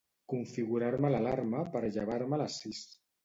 Configurar-me l'alarma per llevar-me a les sis.